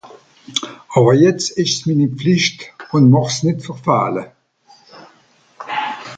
Àwwer jetzt ìsch's mini Pflìcht ùn mächt's nìtt verfähle.